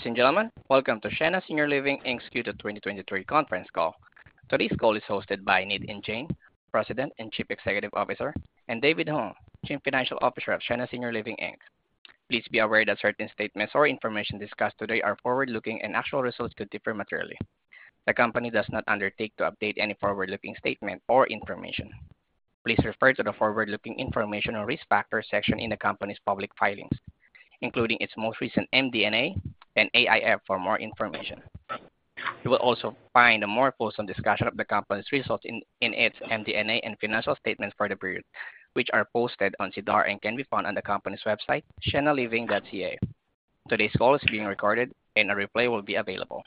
Ladies and gentlemen, welcome to Sienna Senior Living Inc.'s Q2 2023 conference call. Today's call is hosted by Nitin Jain, President and Chief Executive Officer, and David Hung, Chief Financial Officer of Sienna Senior Living Inc. Please be aware that certain statements or information discussed today are forward-looking, and actual results could differ materially. The company does not undertake to update any forward-looking statement or information. Please refer to the forward-looking information or risk factor section in the company's public filings, including its most recent MD&A and AIF, for more information. You will also find a more full discussion of the company's results in its MD&A and financial statements for the period, which are posted on SEDAR and can be found on the company's website, siennaliving.ca. Today's call is being recorded, and a replay will be available.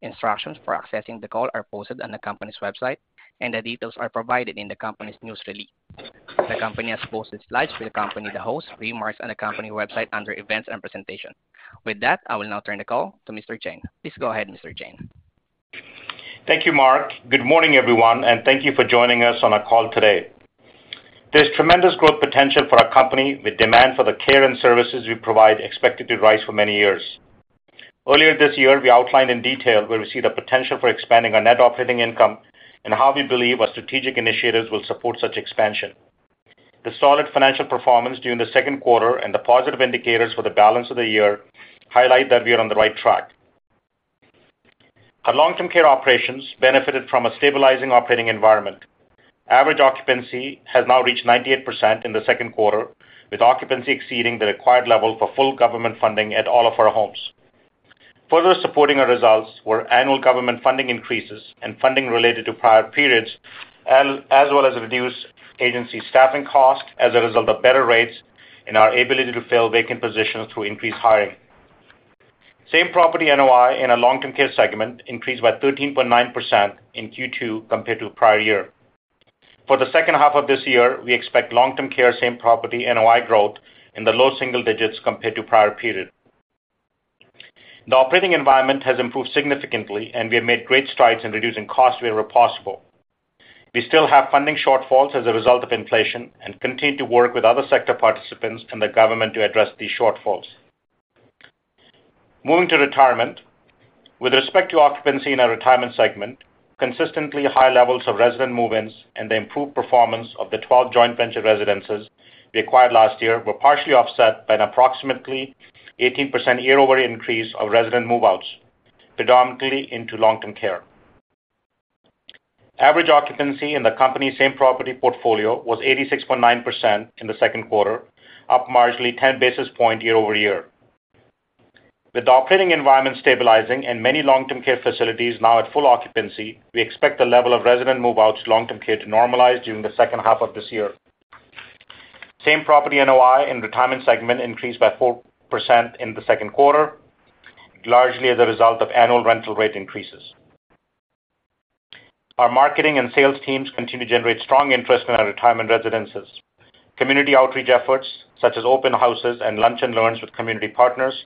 Instructions for accessing the call are posted on the company's website, and the details are provided in the company's news release. The company has posted slides for the company, the host remarks on the company website under Events and Presentation. With that, I will now turn the call to Mr. Jain. Please go ahead, Mr. Jain. Thank you, Mark. Good morning, everyone, and thank you for joining us on our call today. There's tremendous growth potential for our company, with demand for the care and services we provide expected to rise for many years. Earlier this year, we outlined in detail where we see the potential for expanding our net operating income and how we believe our strategic initiatives will support such expansion. The solid financial performance during the second quarter and the positive indicators for the balance of the year highlight that we are on the right track. Our long-term care operations benefited from a stabilizing operating environment. Average occupancy has now reached 98% in the second quarter, with occupancy exceeding the required level for full government funding at all of our homes. Further supporting our results were annual government funding increases and funding related to prior periods, as well as reduced agency staffing costs as a result of better rates and our ability to fill vacant positions through increased hiring. Same-property NOI in our long-term care segment increased by 13.9% in Q2 compared to the prior-year. For the second half of this year, we expect long-term care same-property NOI growth in the low single digits compared to prior period. The operating environment has improved significantly, and we have made great strides in reducing costs wherever possible. We still have funding shortfalls as a result of inflation and continue to work with other sector participants and the government to address these shortfalls. Moving to retirement. With respect to occupancy in our retirement segment, consistently high levels of resident move-ins and the improved performance of the 12 joint venture residences we acquired last year were partially offset by an approximately 18% year-over-year increase of resident move-outs, predominantly into long-term care. Average occupancy in the company's same-property portfolio was 86.9% in the Q2, up marginally 10 basis points year-over-year. With the operating environment stabilizing and many long-term care facilities now at full occupancy, we expect the level of resident move-outs to long-term care to normalize during the second half of this year. Same-property NOI in retirement segment increased by 4% in the Q2, largely as a result of annual rental rate increases. Our marketing and sales teams continue to generate strong interest in our retirement residences. Community outreach efforts, such as open houses and lunch and learns with community partners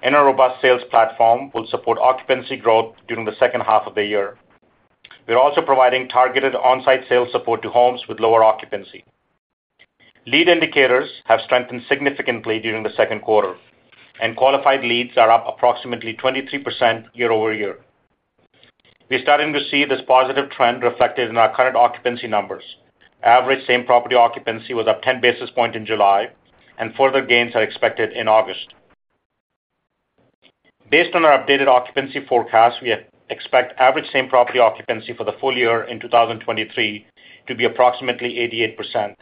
and our robust sales platform, will support occupancy growth during the second half of the year. We're also providing targeted on-site sales support to homes with lower occupancy. Lead indicators have strengthened significantly during the second quarter, and qualified leads are up approximately 23% year-over-year. We're starting to see this positive trend reflected in our current occupancy numbers. Average same-property occupancy was up 10 basis points in July, and further gains are expected in August. Based on our updated occupancy forecast, we expect average same-property occupancy for the full-year in 2023 to be approximately 88%.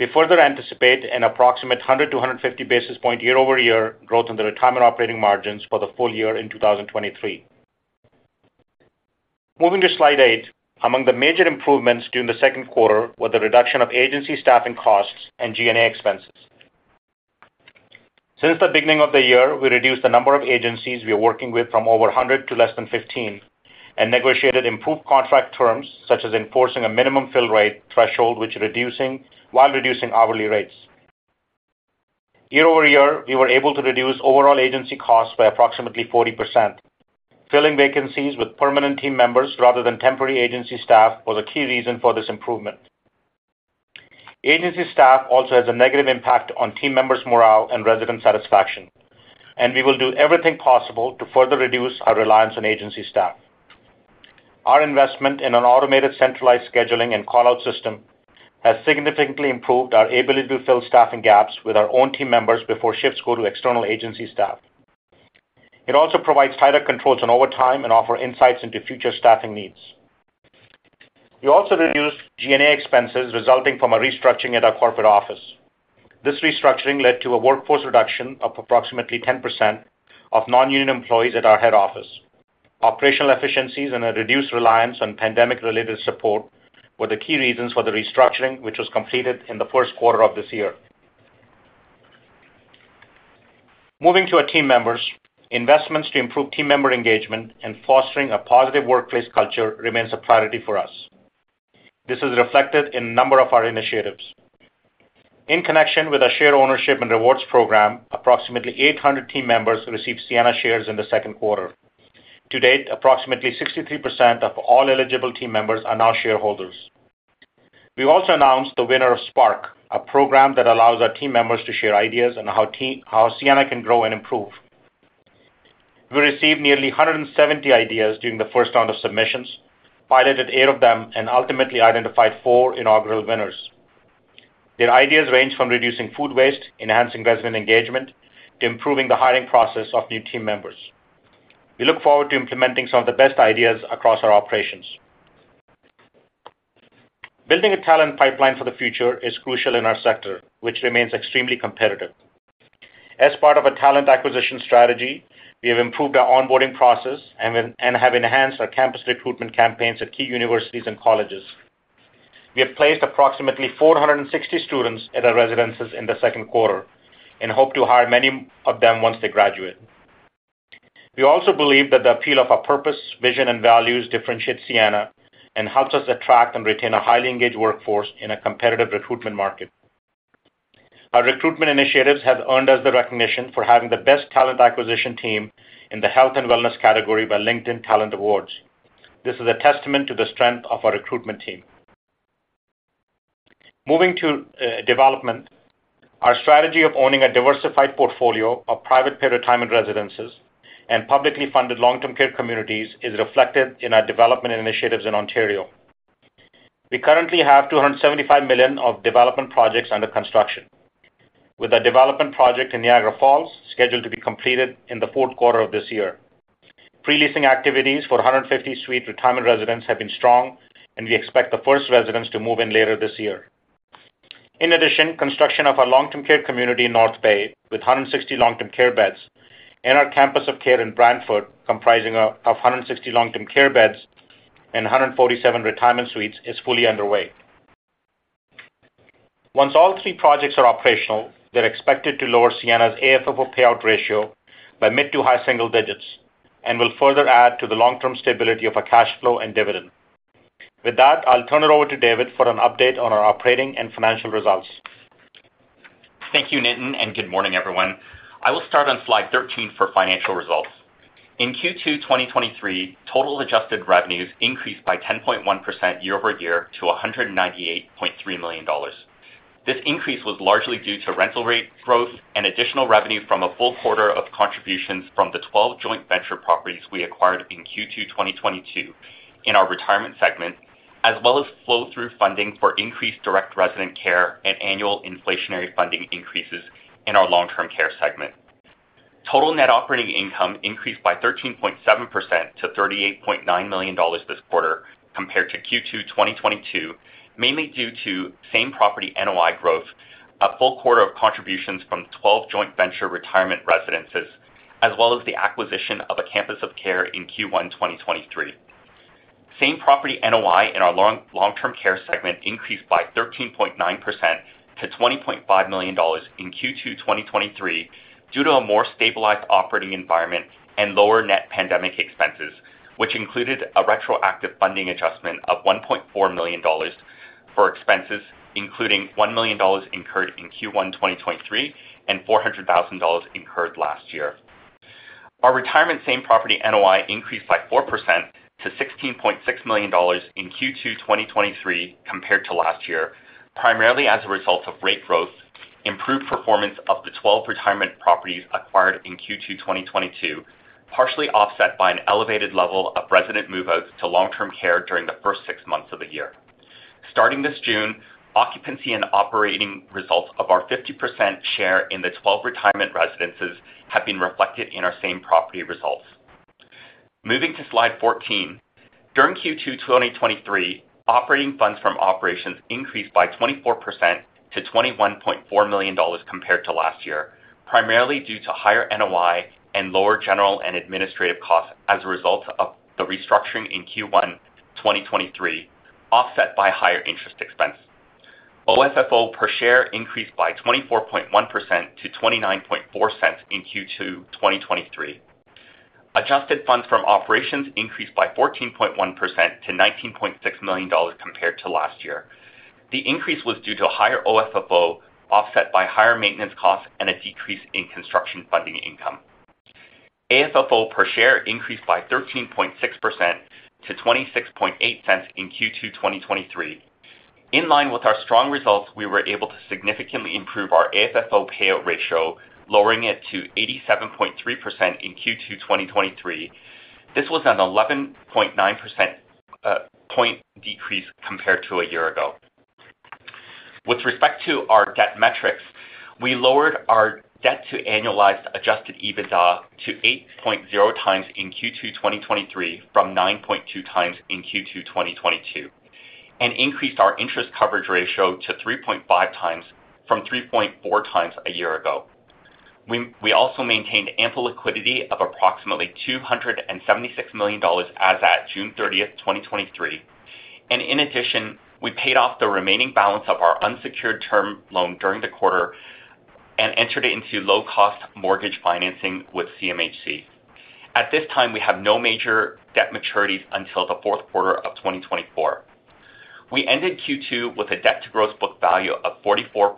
We further anticipate an approximate 100-150 basis point year-over-year growth in the retirement operating margins for the full-year in 2023. Moving to slide 8. Among the major improvements during the second quarter were the reduction of agency staffing costs and G&A expenses. Since the beginning of the year, we reduced the number of agencies we are working with from over 100 to less than 15 and negotiated improved contract terms, such as enforcing a minimum fill rate threshold, which reducing, while reducing hourly rates. Year-over-year, we were able to reduce overall agency costs by approximately 40%. Filling vacancies with permanent team members rather than temporary agency staff was a key reason for this improvement. Agency staff also has a negative impact on team members' morale and resident satisfaction, and we will do everything possible to further reduce our reliance on agency staff. Our investment in an automated, centralized scheduling and call-out system has significantly improved our ability to fill staffing gaps with our own team members before shifts go to external agency staff. It also provides tighter controls on overtime and offer insights into future staffing needs. We also reduced G&A expenses resulting from a restructuring at our corporate office. This restructuring led to a workforce reduction of approximately 10% of non-union employees at our head office. Operational efficiencies and a reduced reliance on pandemic-related support were the key reasons for the restructuring, which was completed in the first quarter of this year. Moving to our team members. Investments to improve team member engagement and fostering a positive workplace culture remains a priority for us. This is reflected in a number of our initiatives. In connection with our share ownership and rewards program, approximately 800 team members received Sienna shares in the second quarter. To date, approximately 63% of all eligible team members are now shareholders. We also announced the winner of Spark, a program that allows our team members to share ideas on how Sienna can grow and improve. We received nearly 170 ideas during the first round of submissions, piloted eight of them, and ultimately identified four inaugural winners. Their ideas range from reducing food waste, enhancing resident engagement, to improving the hiring process of new team members. We look forward to implementing some of the best ideas across our operations. Building a talent pipeline for the future is crucial in our sector, which remains extremely competitive. As part of a talent acquisition strategy, we have improved our onboarding process and have enhanced our campus recruitment campaigns at key universities and colleges. We have placed approximately 460 students at our residences in the second quarter and hope to hire many of them once they graduate. We also believe that the appeal of our purpose, vision, and values differentiates Sienna and helps us attract and retain a highly engaged workforce in a competitive recruitment market. Our recruitment initiatives have earned us the recognition for having the best talent acquisition team in the health and wellness category by LinkedIn Talent Awards. This is a testament to the strength of our recruitment team. Moving to development, our strategy of owning a diversified portfolio of private paid retirement residences and publicly funded long-term care communities is reflected in our development initiatives in Ontario. We currently have 275 million of development projects under construction, with a development project in Niagara Falls, scheduled to be completed in the fourth quarter of this year. Pre-leasing activities for 150 suite retirement residents have been strong, and we expect the first residents to move in later this year. In addition, construction of our long-term care community in North Bay, with 160 long-term care beds, and our campus of care in Brantford, comprising of 160 long-term care beds and 147 retirement suites, is fully underway. Once all three projects are operational, they're expected to lower Sienna's AFFO payout ratio by mid to high single digits and will further add to the long-term stability of our cash flow and dividend. With that, I'll turn it over to David for an update on our operating and financial results. Thank you, Nitin. Good morning, everyone. I will start on slide 13 for financial results. In Q2 2023, total adjusted revenues increased by 10.1% year-over-year to 198.3 million dollars. This increase was largely due to rental rate growth and additional revenue from a full quarter of contributions from the 12 joint venture properties we acquired in Q2 2022, in our retirement segment, as well as flow-through funding for increased direct resident care and annual inflationary funding increases in our long-term care segment. Total net operating income increased by 13.7% to 38.9 million dollars this quarter, compared to Q2 2022, mainly due to same-property NOI growth, a full quarter of contributions from 12 joint venture retirement residences, as well as the acquisition of a campus of care in Q1 2023. Same property NOI in our long, long-term care segment increased by 13.9% to 20.5 million dollars in Q2, 2023, due to a more stabilized operating environment and lower net pandemic expenses, which included a retroactive funding adjustment of 1.4 million dollars for expenses, including 1 million dollars incurred in Q1, 2023, and 400,000 dollars incurred last year. Our retirement same property NOI increased by 4% to 16.6 million dollars in Q2, 2023, compared to last year, primarily as a result of rate growth, improved performance of the 12 retirement properties acquired in Q2, 2022, partially offset by an elevated level of resident move-outs to long-term care during the first six months of the year. Starting this June, occupancy and operating results of our 50% share in the 12 retirement residences have been reflected in our same property results. Moving to slide 14. During Q2 2023, operating funds from operations increased by 24% to $21.4 million compared to last year, primarily due to higher NOI and lower general and administrative costs as a result of the restructuring in Q1 2023, offset by higher interest expense. OFFO per share increased by 24.1% to $0.294 in Q2 2023. Adjusted funds from operations increased by 14.1% to $19.6 million compared to last year. The increase was due to a higher OFFO, offset by higher maintenance costs and a decrease in construction funding income. AFFO per share increased by 13.6% to $0.268 in Q2 2023. In line with our strong results, we were able to significantly improve our AFFO payout ratio, lowering it to 87.3% in Q2 2023. This was an 11.9% point decrease compared to a year ago. With respect to our debt metrics, we lowered our debt to annualized adjusted EBITDA to 8.0x in Q2 2023, from 9.2x in Q2 2022, and increased our interest coverage ratio to 3.5x from 3.4x a year ago. We, we also maintained ample liquidity of approximately $276 million as at June 30th, 2023, and in addition, we paid off the remaining balance of our unsecured term loan during the quarter and entered it into low-cost mortgage financing with CMHC. At this time, we have no major debt maturities until Q4 2024. We ended Q2 with a debt to gross book value of 44%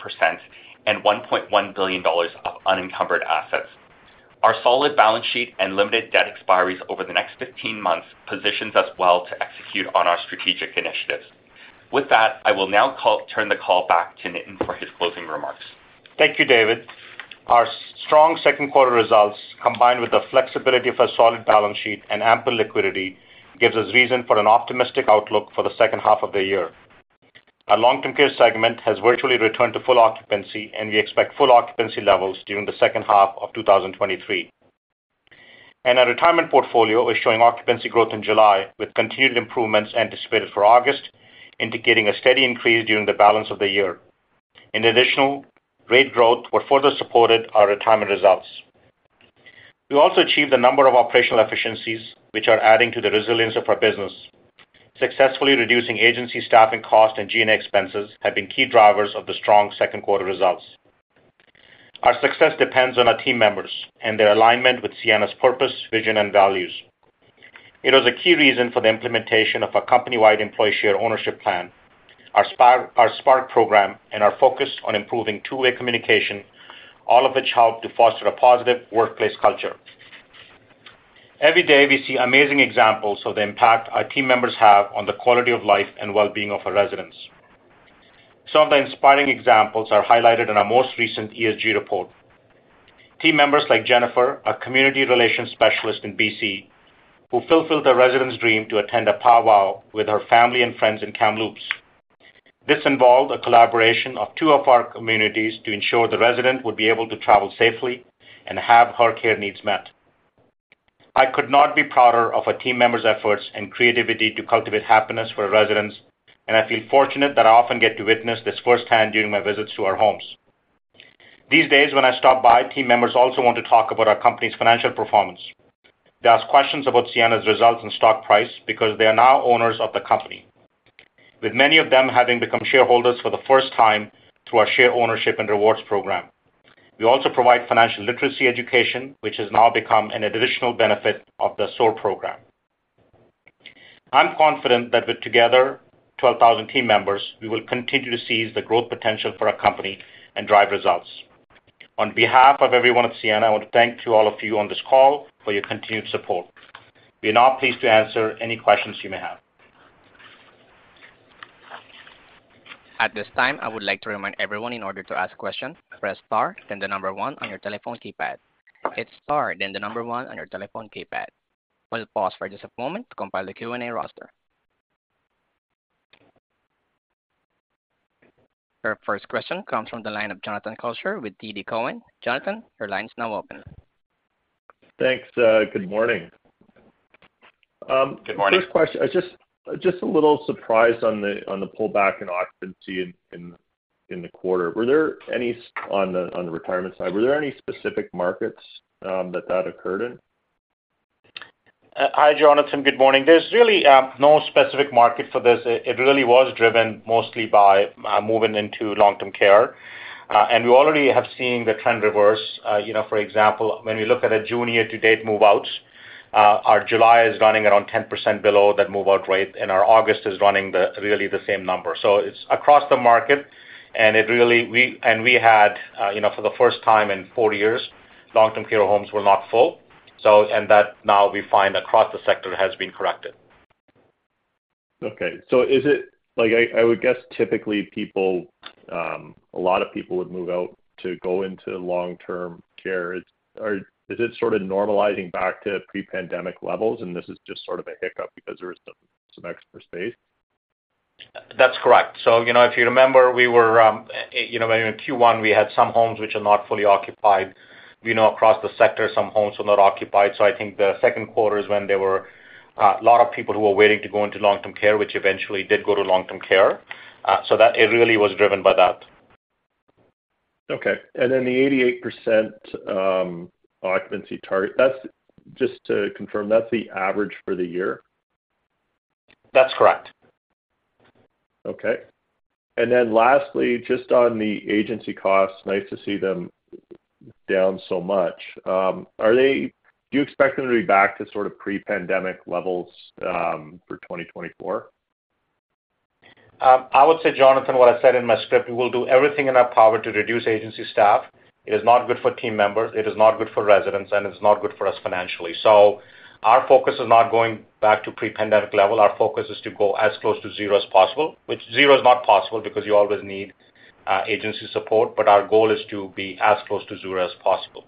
and 1.1 billion dollars of unencumbered assets. Our solid balance sheet and limited debt expiries over the next 15 months positions us well to execute on our strategic initiatives. With that, I will now turn the call back to Nitin for his closing remarks. Thank you, David. Our strong second quarter results, combined with the flexibility of a solid balance sheet and ample liquidity, gives us reason for an optimistic outlook for the second half of the year. Our long-term care segment has virtually returned to full occupancy, and we expect full occupancy levels during the second half of 2023. Our retirement portfolio is showing occupancy growth in July, with continued improvements anticipated for August, indicating a steady increase during the balance of the year. In additional, rate growth were further supported our retirement results. We also achieved a number of operational efficiencies, which are adding to the resilience of our business. Successfully reducing agency staffing costs and G&A expenses have been key drivers of the strong second quarter results. Our success depends on our team members and their alignment with Sienna's purpose, vision, and values. It was a key reason for the implementation of our company-wide employee share ownership plan, our Spark program, and our focus on improving two-way communication, all of which help to foster a positive workplace culture. Every day, we see amazing examples of the impact our team members have on the quality of life and well-being of our residents. Some of the inspiring examples are highlighted in our most recent ESG report. Team members like Jennifer, a community relations specialist in BC, who fulfilled the resident's dream to attend a powwow with her family and friends in Kamloops. This involved a collaboration of two of our communities to ensure the resident would be able to travel safely and have her care needs met. I could not be prouder of our team members' efforts and creativity to cultivate happiness for our residents, and I feel fortunate that I often get to witness this firsthand during my visits to our homes. These days, when I stop by, team members also want to talk about our company's financial performance. They ask questions about Sienna's results and stock price because they are now owners of the company, with many of them having become shareholders for the first time through our share ownership and rewards program. We also provide financial literacy education, which has now become an additional benefit of the SOAR program. I'm confident that with together, 12,000 team members, we will continue to seize the growth potential for our company and drive results. On behalf of everyone at Sienna, I want to thank you, all of you on this call, for your continued support. We are now pleased to answer any questions you may have. At this time, I would like to remind everyone in order to ask questions, press Star, then the number one on your telephone keypad. It's Star, then the number one on your telephone keypad. We'll pause for just a moment to compile the Q&A roster. Your first question comes from the line of Jonathan Kelcher with TD Cowen. Jonathan, your line is now open. Thanks, good morning. Good morning. First question. I was just, just a little surprised on the, on the pullback in occupancy in, in, in the quarter. Were there any, on the, on the retirement side, were there any specific markets, that, that occurred in? ` Hi, Jonathan. Good morning. There's really no specific market for this. It really was driven mostly by moving into long-term care. And we already have seen the trend reverse. You know, for example, when we look at June year-to-date move-outs, our July is running around 10% below that move-out rate, and our August is running the, really the same number. It's across the market, and it really—we, and we had, you know, for the first time in 40 years, long-term care homes were not full. And that now we find across the sector has been corrected. Okay. Is it like, I would guess typically people, a lot of people would move out to go into long-term care? Is it sort of normalizing back to pre-pandemic levels, and this is just sort of a hiccup because there is some, some extra space? That's correct. You know, if you remember, we were, you know, in Q1, we had some homes which are not fully occupied. We know across the sector, some homes were not occupied. I think the second quarter is when there were a lot of people who were waiting to go into long-term care, which eventually did go to long-term care. That it really was driven by that. Okay. The 88% occupancy target, that's, just to confirm, that's the average for the year? That's correct. Okay. Then lastly, just on the agency costs, nice to see them down so much. Do you expect them to be back to sort of pre-pandemic levels for 2024? I would say, Jonathan, what I said in my script, we will do everything in our power to reduce agency staff. It is not good for team members, it is not good for residents, and it's not good for us financially. Our focus is not going back to pre-pandemic level. Our focus is to go as close to zero as possible, which zero is not possible because you always need agency support, but our goal is to be as close to zero as possible.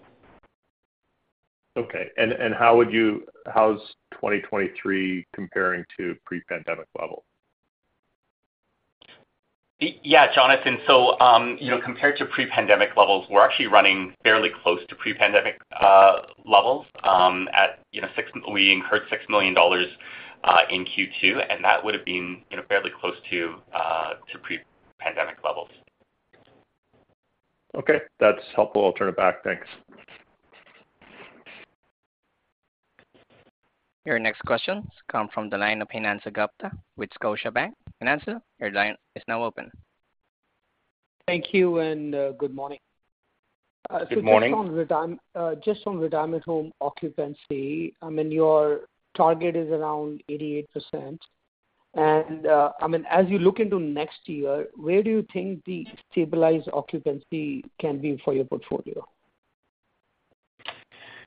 Okay. and how would you-- how's 2023 comparing to pre-pandemic level? Yeah, Jonathan. you know, compared to pre-pandemic levels, we're actually running fairly close to pre-pandemic levels. At, you know, we incurred 6 million dollars in Q2, that would have been, you know, fairly close to pre-pandemic levels. Okay. That's helpful. I'll turn it back. Thanks. Your next question comes from the line of Himanshu Gupta with Scotiabank. Himanshu, your line is now open. Thank you, and, good morning. Good morning. Just on retirement, just on retirement home occupancy, I mean, your target is around 88%. I mean, as you look into next year, where do you think the stabilized occupancy can be for your portfolio?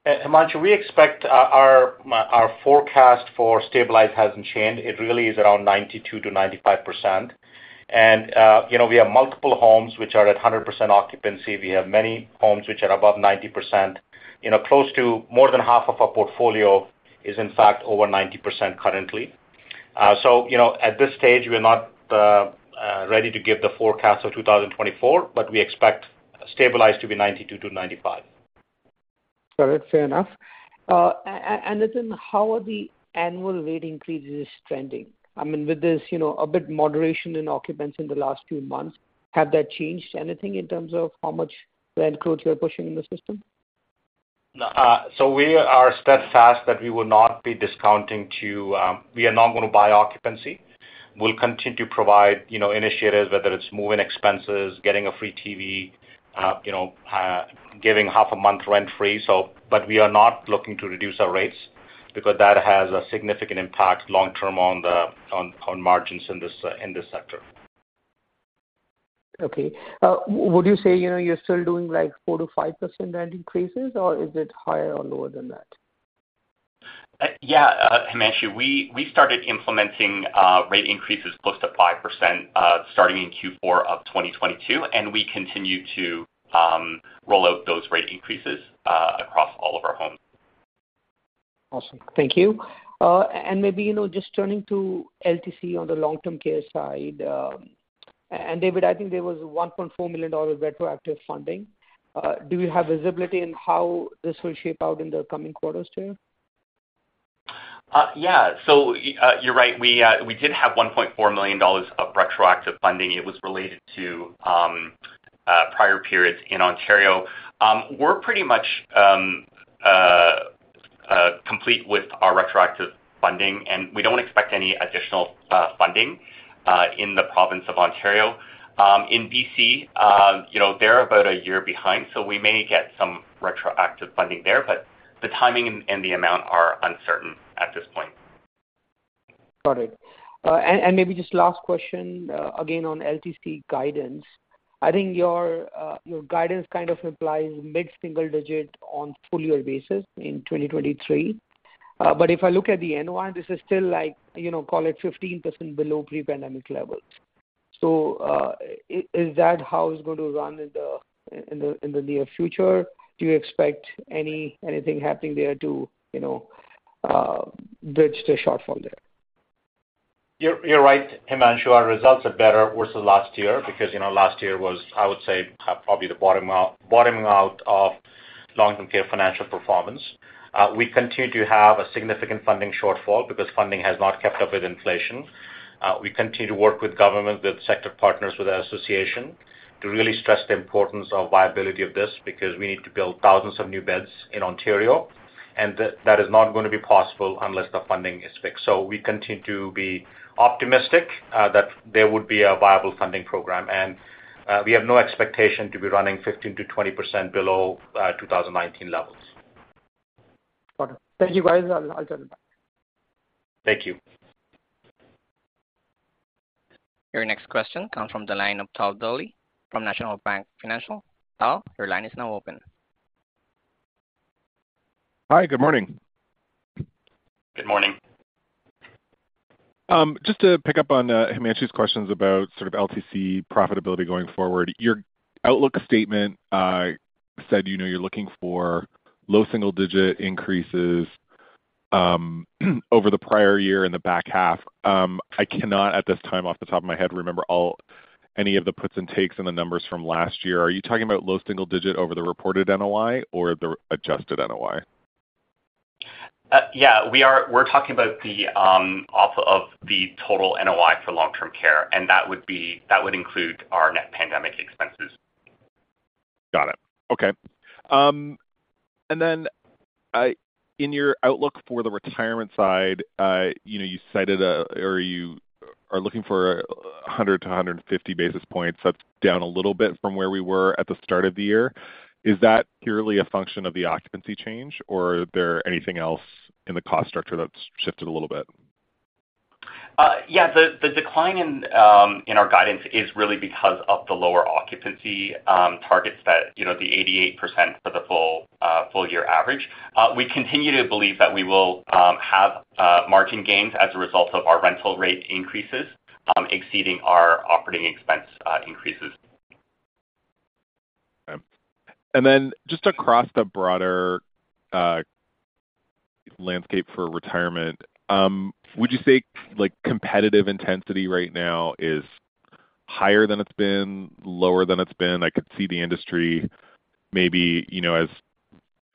Himanshu, we expect our, our, our forecast for stabilized hasn't changed. It really is around 92%-95%. You know, we have multiple homes which are at 100% occupancy. We have many homes which are above 90%. You know, close to more than half of our portfolio is, in fact, over 90% currently. You know, at this stage, we're not ready to give the forecast for 2024, but we expect stabilized to be 92%-95%. Got it. Fair enough. Then how are the annual rate increases trending? I mean, with this, you know, a bit moderation in occupants in the last few months, have that changed anything in terms of how much rent growth you are pushing in the system? We are steadfast that we will not be discounting to. We are not going to buy occupancy. We'll continue to provide, you know, initiatives, whether it's move-in expenses, getting a free TV, you know, giving half a month rent-free. We are not looking to reduce our rates because that has a significant impact long term on the, on, on margins in this sector. Okay. Would you say, you know, you're still doing, like, 4%-5% rent increases, or is it higher or lower than that? Yeah, Himanshu, we, we started implementing rate increases close to 5% starting in Q4 of 2022, and we continue to roll out those rate increases across all of our homes. Awesome. Thank you. Maybe, you know, just turning to LTC on the long-term care side, and David, I think there was a 1.4 million dollars retroactive funding. Do you have visibility in how this will shape out in the coming quarters too? Yeah. So you're right. We did have $1.4 million of retroactive funding. It was related to prior periods in Ontario. We're pretty much complete with our retroactive funding, and we don't expect any additional funding in the province of Ontario. In BC, you know, they're about a year behind, so we may get some retroactive funding there, but the timing and the amount are uncertain at this point. Got it. Maybe just last question, again, on LTC guidance. I think your guidance kind of implies mid-single digit on full-year basis in 2023. If I look at the NOI, this is still like, you know, call it 15% below pre-pandemic levels. Is that how it's going to run in the, in the, in the near future? Do you expect anything happening there to, you know, bridge the shortfall there? You're, you're right, Himanshu. Our results are better versus last year because, you know, last year was, I would say, probably the bottom out-- bottoming out of long-term care financial performance. We continue to have a significant funding shortfall because funding has not kept up with inflation. We continue to work with government, with sector partners, with our association, to really stress the importance of viability of this, because we need to build thousands of new beds in Ontario, and th- that is not going to be possible unless the funding is fixed. We continue to be optimistic that there would be a viable funding program, and we have no expectation to be running 15%-20% below 2019 levels. Got it. Thank you, guys. I'll get back. Thank you. Your next question comes from the line of Tal Woolley from National Bank Financial. Tal, your line is now open. Hi, good morning. Good morning. Just to pick up on Himanshu's questions about sort of LTC profitability going forward, your outlook statement said, you know, you're looking for low single-digit increases over the prior-year in the back half. I cannot, at this time, off the top of my head, remember all... any of the puts and takes in the numbers from last year. Are you talking about low single digit over the reported NOI or the adjusted NOI? Yeah, we are, we're talking about the off of the total NOI for long-term care, and that would be, that would include our net pandemic expenses. Got it. Okay. In your outlook for the retirement side, you know, you cited a, or you are looking for 100 basis points-150 basis points. That's down a little bit from where we were at the start of the year. Is that purely a function of the occupancy change, or is there anything else in the cost structure that's shifted a little bit? Yeah, the decline in our guidance is really because of the lower occupancy targets that, you know, the 88% for the full full-year average. We continue to believe that we will have margin gains as a result of our rental rate increases exceeding our operating expense increases. Okay. Then just across the broader landscape for retirement, would you say, like, competitive intensity right now is higher than it's been, lower than it's been? I could see the industry maybe, you know, as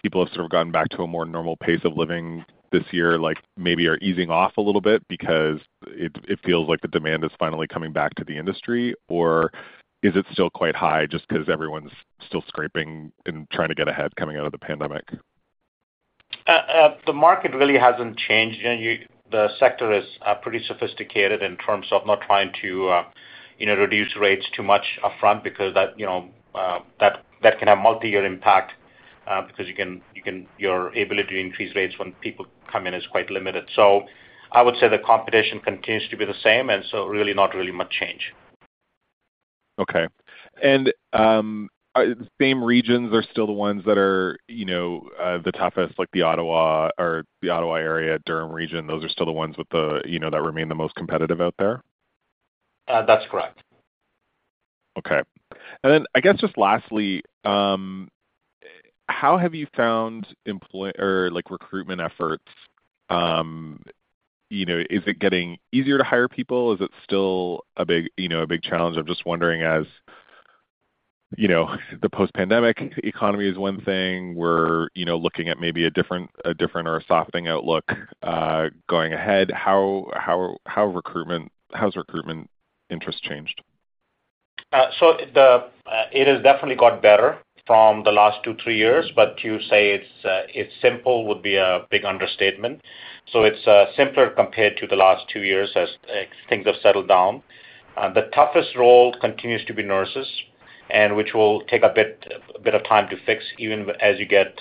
people have sort of gotten back to a more normal pace of living this year, like, maybe are easing off a little bit because it, it feels like the demand is finally coming back to the industry. Or is it still quite high just 'cause everyone's still scraping and trying to get ahead coming out of the pandemic? The market really hasn't changed. You know, the sector is pretty sophisticated in terms of not trying to, you know, reduce rates too much upfront because that, you know, that, that can have multi-year impact because you can, your ability to increase rates when people come in is quite limited. I would say the competition continues to be the same, really, not really much change. Okay. Same regions are still the ones that are, you know, the toughest, like the Ottawa or the Ottawa area, Durham region, those are still the ones with the, you know, that remain the most competitive out there? That's correct. Okay. Then I guess just lastly, how have you found employ... or, like, recruitment efforts? You know, is it getting easier to hire people? Is it still a big, you know, a big challenge? I'm just wondering as, you know, the post-pandemic economy is one thing, we're, you know, looking at maybe a different, a different or a softening outlook, going ahead. How's recruitment interest changed? It has definitely got better from the last two, three years, but to say it's simple would be a big understatement. It's simpler compared to the last 2 years as things have settled down. The toughest role continues to be nurses, and which will take a bit of time to fix, even as you get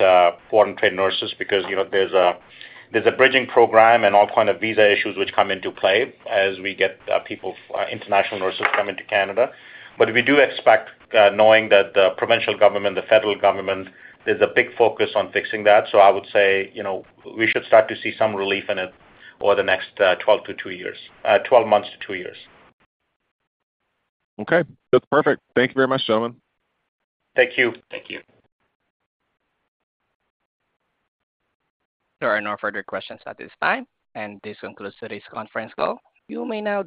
foreign-trained nurses, because, you know, there's a bridging program and all kind of visa issues which come into play as we get people, international nurses coming to Canada. We do expect, knowing that the provincial government, the federal government, there's a big focus on fixing that. I would say, you know, we should start to see some relief in it over the next 12 months to 2 years, 12 months to 2 years. Okay. That's perfect. Thank you very much, gentlemen. Thank you. Thank you. There are no further questions at this time. This concludes today's conference call. You may now disconnect.